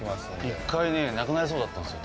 １回なくなりそうだったんですよ